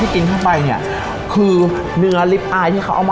กินกันลูก